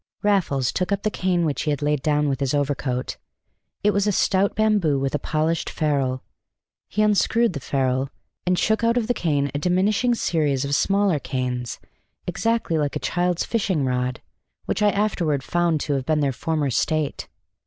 Raffles took up the cane which he had laid down with his overcoat. It was a stout bamboo with a polished ferule. He unscrewed the ferule, and shook out of the cane a diminishing series of smaller canes, exactly like a child's fishing rod, which I afterward found to have been their former state.